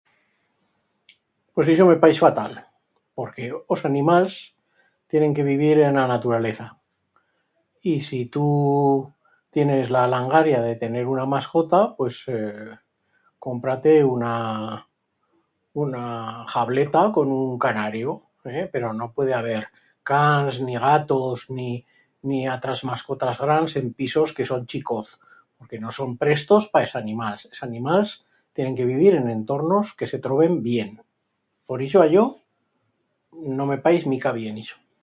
Pues ixo me paix fatal porque os animals tienen que vivir en a naturaleza y si tu tienes la langaria de tener una mascota, pues ee compra-te una una jauleta con un canario, pero no puede haber cans ni gatos ni atras mascotas grans en pisos que son chicoz. Porque no son prestos pa es animals. Es animals tienen que vivir en entornos que se troben bien. Por ixo a yo no me paix mica bien ixo.